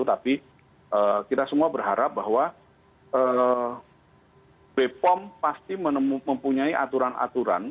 tapi kita semua berharap bahwa bepom pasti mempunyai aturan aturan